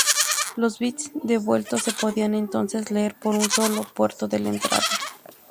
Los bits devueltos se podían entonces leer por un solo puerto de la entrada.